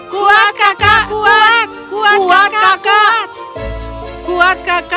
kuat kakak kuat kuat kakak kuat